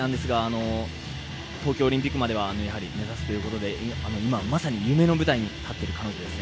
東京オリンピックまでは目指すということでまさに夢の舞台に立っている彼女ですね。